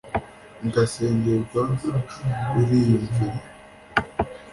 ngasengerwa, uriyumvire